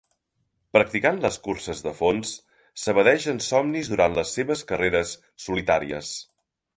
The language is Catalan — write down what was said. Practicant les curses de fons, s'evadeix en somnis durant les seves carreres solitàries.